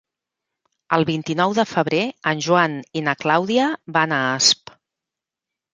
El vint-i-nou de febrer en Joan i na Clàudia van a Asp.